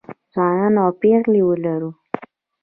ځوانان او پېغلې ولرو